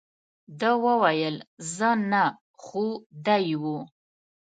ده وویل، زه نه، خو دی وو.